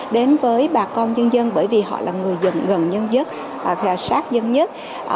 đến với bà con nhân dân bởi vì họ là người dân gần dân nhất sát dân nhất